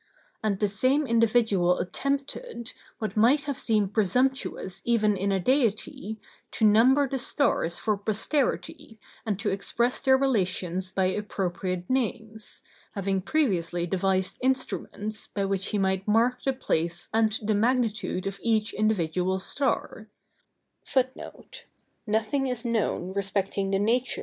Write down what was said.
And the same individual attempted, what might seem presumptuous even in a deity, to number the stars for posterity and to express their relations by appropriate names; having previously devised instruments, by which he might mark the place and the magnitude of each individual star.